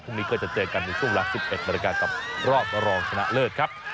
พรุ่งนี้ก็จะเจอกันในช่วงเวลา๑๑นาฬิกากับรอบรองชนะเลิศครับ